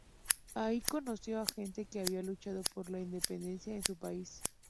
Allí conoció a gente que había luchado por la independencia en su país.